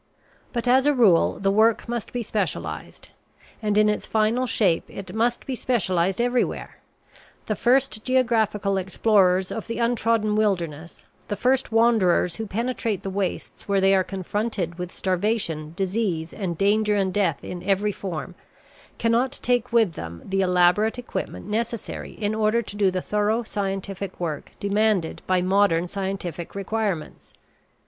But as a rule the work must be specialized; and in its final shape it must be specialized everywhere. The first geographical explorers of the untrodden wilderness, the first wanderers who penetrate the wastes where they are confronted with starvation, disease, and danger and death in every from, cannot take with them the elaborate equipment necessary in order to do the thorough scientific work demanded by modern scientific requirements.